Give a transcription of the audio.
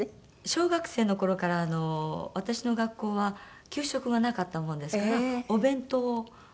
小学生の頃から私の学校は給食がなかったものですからお弁当を作ったりしてました。